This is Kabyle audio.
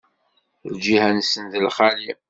Lǧiha-nsen d lxali.